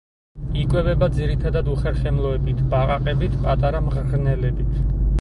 იკვებება ძირითადად უხერხემლოებით, ბაყაყებით, პატარა მღრღნელებით.